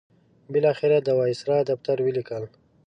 بالاخره د وایسرا دفتر ولیکل.